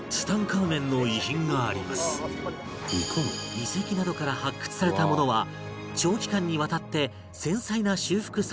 遺跡などから発掘されたものは長期間にわたって繊細な修復作業が必要